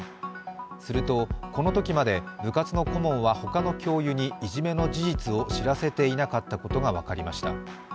すると、このときまで部活の顧問は他の教諭にいじめの事実を知らせていなかったことが分かりました。